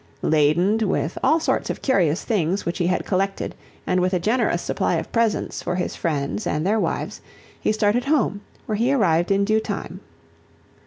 Ladened with all sorts of curious things which he had collected and with a generous supply of presents for his friends and their wives, he started home where he arrived in due time.